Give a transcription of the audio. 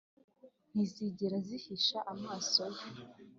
ntizigera zihisha amaso ye